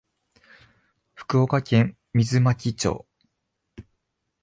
福岡県水巻町